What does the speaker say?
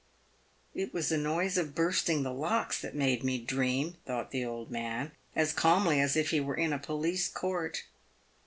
" It was the noise of bursting the locks that made me dream," thought the old man, as calmly as if he were in a police court.